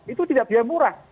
itu tidak biaya murah